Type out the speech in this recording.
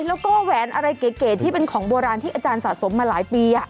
แล้วก็แหวนอะไรเก๋ที่เป็นของโบราณที่อาจารย์สะสมมาหลายปี